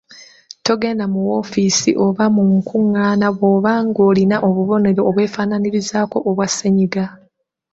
Togenda mu woofiisi oba mu nkungaana bw’oba ng’olina obubonero obwefaanaanyirizaako obwa ssennyiga.